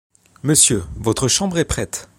Monsieur, votre chambre est prête.